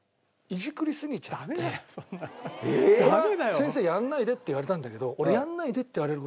先生にやんないでって言われたんだけど俺。